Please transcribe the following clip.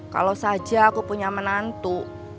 kalau saja aku punya menantu